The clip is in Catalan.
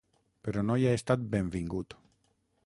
Però no hi ha estat benvingut.